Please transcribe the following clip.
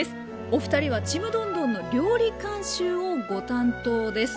お二人は「ちむどんどん」の料理監修をご担当です。